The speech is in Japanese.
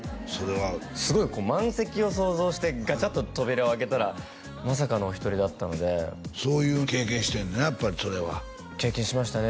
すごい満席を想像してガチャッと扉を開けたらまさかのお一人だったのでそういう経験してんのやっぱりそれは経験しましたね